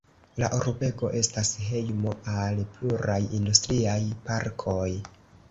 La urbego estas hejmo al pluraj industriaj parkoj.